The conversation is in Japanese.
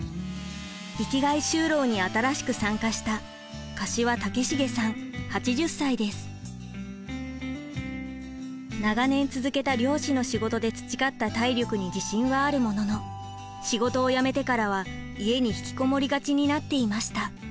生きがい就労に新しく参加した長年続けた漁師の仕事で培った体力に自信はあるものの仕事を辞めてからは家に引きこもりがちになっていました。